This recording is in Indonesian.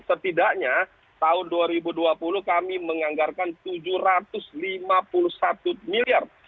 setidaknya tahun dua ribu dua puluh kami menganggarkan rp tujuh ratus lima puluh satu miliar